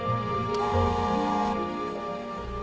ああ。